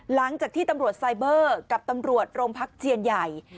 หลังจากที่ตำรวจไซเบอร์กับตำรวจโรงพักเจียนใหญ่